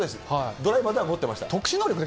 ドライまで持ってました。